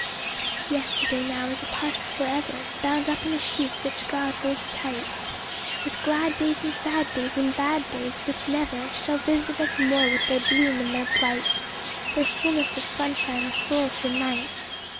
Yesterday now is a part of forever, Bound up in a sheaf, which God holds tight, With glad days, and sad days, and bad days, which never Shall visit us more with their bloom and their blight, Their fulness of sunshine or sorrowful night.